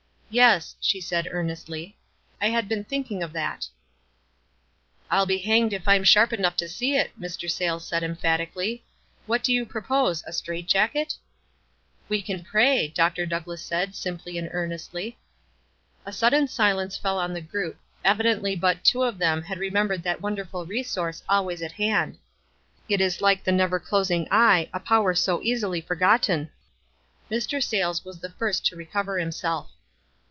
"Yes," she said, earnestly ; "I had been think ing of that." "I'll be hanged if I'm sharp enough to see it," Mr. Sayles said, emphatically. "What do you propose — a strait jacket ?" "We can pray," Dr. Douglass said, simply and earnestly. WISE AND OTHERWISE. 267 A sudden silence fell on the group — evidently but two of them had remembered that wonderful resource always at hand. It is like the uever closing Eye — a power so easily forgotten. Mr. Sayles was the first to recover himself.